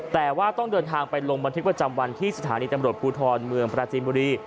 แต่ว่าต้องเดินทางไปลงบัใฟไปจำวันที่สถานีจำรวจพูทรเมืองประจิบัติรุรี